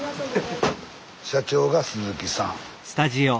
社長が鈴木さん。